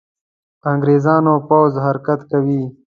انګرېزانو پوځ حرکت کوي.